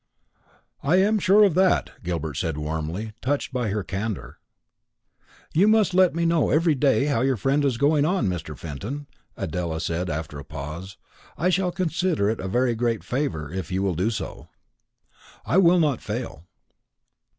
"I am sure of that," Gilbert said warmly, touched by her candour. "You must let me know every day how your friend is going on, Mr. Fenton," Adela said after a pause; "I shall consider it a very great favour if you will do so." "I will not fail."